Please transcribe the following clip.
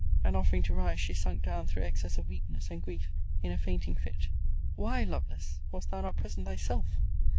And offering to rise, she sunk down through excess of weakness and grief, in a fainting fit. Why, Lovelace, was thou not present thyself?